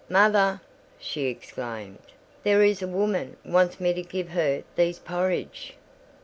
"Mother!" she exclaimed, "there is a woman wants me to give her these porridge."